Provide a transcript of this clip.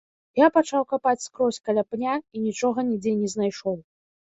Я пачаў капаць скрозь каля пня і нічога нідзе не знайшоў.